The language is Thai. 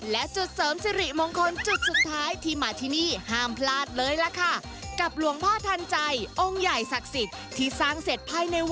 และจุดเสริมสิริมงคลจุดสุดท้ายที่มาที่นี่ห้ามพลาดเลยล่ะค่ะกับหลวงพ่อทันใจองค์ใหญ่ศักดิ์สิทธิ์ที่สร้างเสร็จภายในวัน